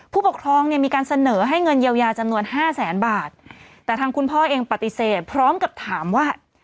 ผู้ปกครองเนี่ยมีการเสนอให้เงินเยียวยาจำนวนห้าแสนบาทแต่ทางคุณพ่อเองปฏิเสธพร้อมกับถามว่า